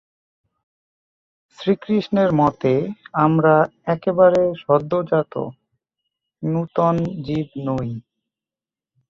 শ্রীকৃষ্ণের মতে আমরা একেবারে সদ্যোজাত নূতন জীব নই।